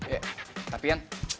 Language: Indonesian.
eh tapi yan